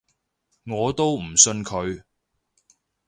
我都唔信佢